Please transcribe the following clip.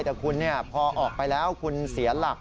แต่คุณพอออกไปแล้วคุณเสียหลัก